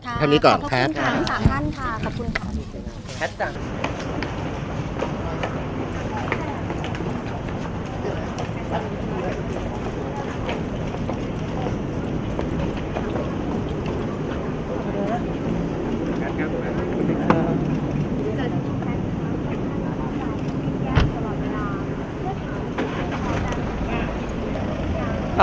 ให้เห็นนี้ก่อนทุกสามท่านค่ะขอบคุณค่ะ